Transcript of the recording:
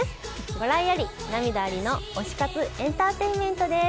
笑いあり、涙ありの推し活エンターテインメントです。